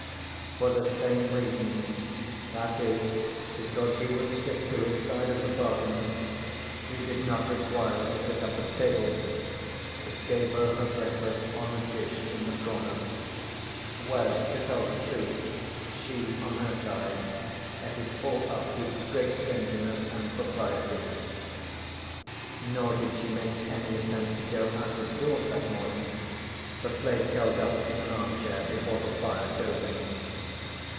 For the same reason, that is because he would stick to his side of the bargain, he did not require her to sit up at table, but gave her her breakfast on a dish in the corner, where to tell the truth she on her side ate it all up with great daintiness and propriety. Nor she did make any attempt to go out of doors that morning, but lay curled up in an armchair before the fire dozing.